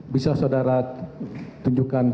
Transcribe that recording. bisa saudara tunjukkan